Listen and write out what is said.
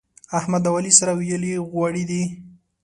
احمد او علي سره ويلي غوړي دي.